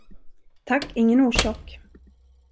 Tack, ingen orsak!